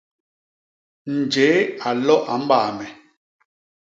Njéé a lo a mbaame.